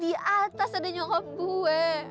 gue liat di atas ada nyokap gue